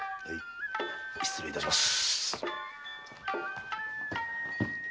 失礼いたします。